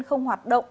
không hoạt động